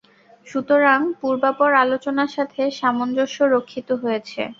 সুতরাং পূর্বাপর আলোচনার সাথে সামঞ্জস্য রক্ষিত হয়েছে।